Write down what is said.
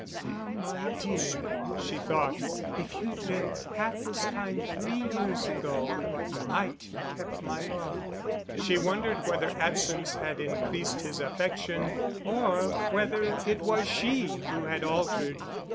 "Ah, my dear," she thought, "if you'd been half as kind three years ago you might have kept my love." She wondered whether absence had increased his affection, or whether it was she who had altered.